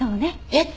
えっ！